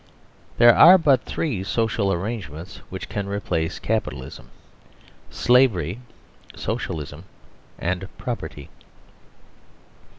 There are but three social arrangements which can replace Capitalism : Slavery, Socialism, and Property.